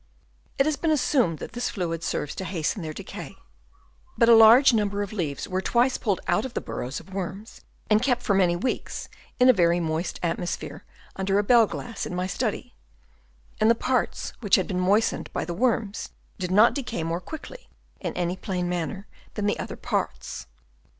It has been assumed that this fluid serves to hasten their decay ; but a large number of leaves were twice pulled out of the burrows of worms and kept for many weeks in a very moist atmosphere under a bell glass in my study ; and the parts which had been moistened by the worms did not decay more quickly in any plain manner than the other parts.